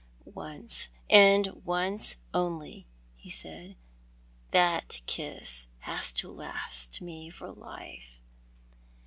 " Once, and once only, ho said. " That kiss has to last me for life."